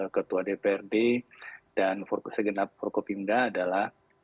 ketua dprd dan segenap prokopimda adalah